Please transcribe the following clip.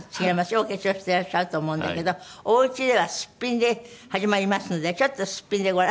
お化粧していらっしゃると思うんだけどおうちではすっぴんで始まりますのでちょっとすっぴんでご覧。